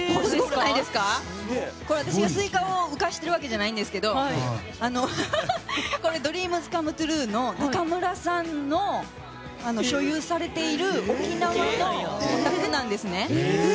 これ私がスイカを浮かしているわけじゃないんですがこれ、ＤＲＥＡＭＳＣＯＭＥＴＲＵＥの中村さんの所有されている沖縄のお宅なんですね。